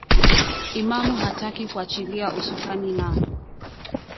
imamu hataki kuachilia usukani na